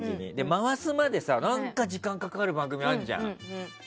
回すまで何か時間がかかる番組あるじゃん。